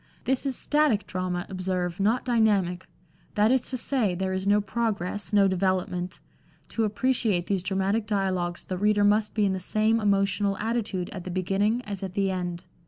This is static drama, observe, not dynamic ; that is to say, there is no progress, no development ; to appreciate these dramatic dialogues the reader must be in the same emotional attitude at the beginning as at the end.